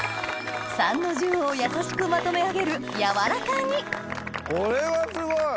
参の重をやさしくまとめ上げる柔らか煮これはすごい！